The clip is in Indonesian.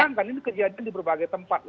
memang kan ini kejadian di berbagai tempat